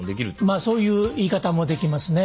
まあそういう言い方もできますね。